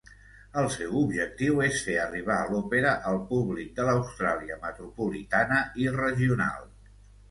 El seu objectiu és fer arribar l'òpera al públic de l'Austràlia metropolitana i regional.